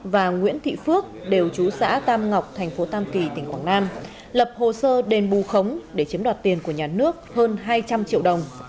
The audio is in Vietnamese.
và nguyễn thị phước đều chú xã tam ngọc tp tam kỳ tp quảng nam lập hồ sơ đền bù khống để chiếm đọt tiền của nhà nước hơn hai trăm linh triệu đồng